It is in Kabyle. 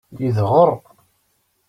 Yedɣer.